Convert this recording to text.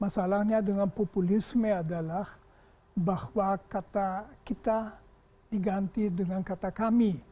masalahnya dengan populisme adalah bahwa kata kita diganti dengan kata kami